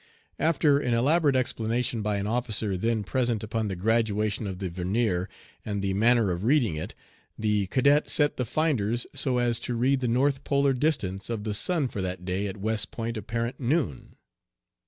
After an elaborate explanation by an officer then present upon the graduation of the vernier and the manner of reading it, the cadet set the finders so as to read the north polar distance of the sun for that day at West Point apparent noon.